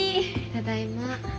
ただいま。